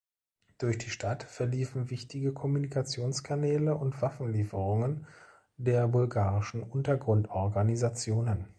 Durch die Stadt verliefen wichtige Kommunikationskanäle und Waffenlieferungen der bulgarischen Untergrundorganisationen.